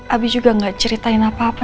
abi juga gak ceritain apa apa